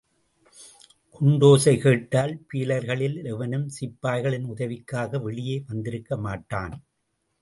குண்டோசைகேட்டால் பீலர்களில் எவனும் சிப்பாய்களின் உதவிக்காக வெளியே வந்திருக்கமாட்டான்.